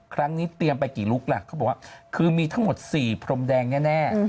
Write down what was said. เตรียมไปกี่ลุคล่ะเขาบอกว่าคือมีทั้งหมด๔พรมแดงแน่